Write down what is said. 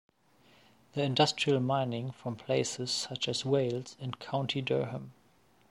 The Industrial mining from places such as Wales and County Durham.